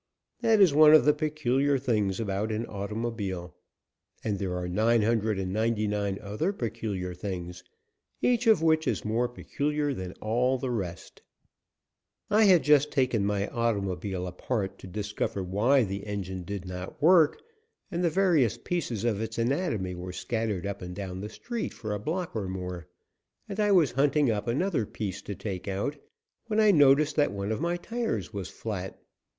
That is one of the peculiar things about an automobile. And there are nine hundred and ninety nine other peculiar things, each of which is more peculiar than all the rest. [Illustration: 243] I had just taken my automobile apart to discover why the engine did not work, and the various pieces of its anatomy were scattered up and down the street for a block or more, and I was hunting up another piece to take out, when I noticed that one of my tires was flat.